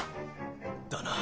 だな。